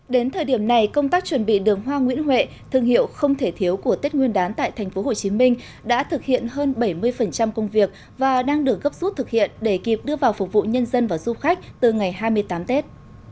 đến thời điểm này công tác chuẩn bị đường hoa nguyễn huệ thương hiệu không thể thiếu của tết nguyên đán tại tp hcm đã thực hiện hơn bảy mươi công việc và đang được gấp rút thực hiện để kịp đưa vào phục vụ nhân dân và du khách từ ngày hai mươi tám tết